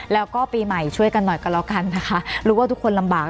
แล้วก็ปีใหม่ช่วยกันหน่อยก็แล้วกันนะคะรู้ว่าทุกคนลำบาก